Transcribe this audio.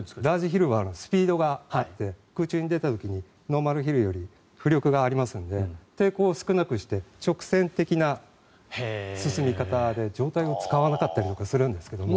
ラージヒルはスピードがあって空中に出た時にノーマルヒルよりも浮力がありますので抵抗を少なくして直線的な進み方で上体を使わなかったりとかするんですが。